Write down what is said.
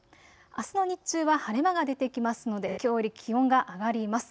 あすの日中は晴れ間が出てきますのできょうより気温が上がります。